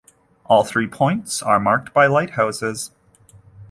All three points are marked by lighthouses.